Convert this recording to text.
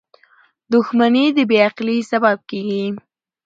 • دښمني د بې عقلی سبب کېږي.